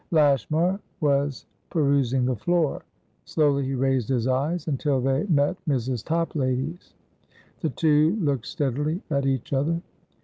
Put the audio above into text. Lashmar was perusing the floor. Slowly he raised his eyes, until they met Mrs. Toplady's. The two looked steadily at each other.